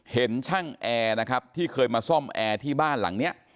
เห็นช่างแอร์นะครับที่เคยมาซ่อมแอร์ที่บ้านหลังนี้